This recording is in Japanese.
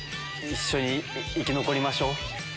一緒に生き残りましょ。